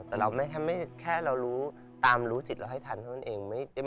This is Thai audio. แต่เราไม่แค่รู้ตามรู้สิทธิ์เราให้ทันเพราะฉะนั้นเอง